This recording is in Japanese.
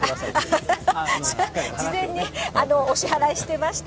事前にお支払いしてました。